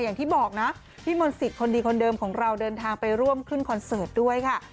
อย่างที่บอกนะพี่มนต์สิทธิ์คนดีคนเดิมของเราเดินทางไปร่วมขึ้นคอนเสิร์ตด้วยค่ะ